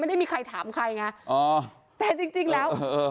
ได้มีใครถามใครไงอ๋อแต่จริงจริงแล้วเออ